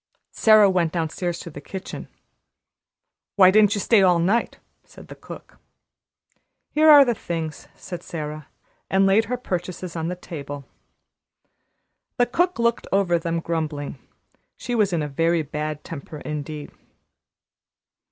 Sara went downstairs to the kitchen. "Why didn't you stay all night?" said the cook. "Here are the things," said Sara, and laid her purchases on the table. The cook looked over them, grumbling. She was in a very bad temper indeed.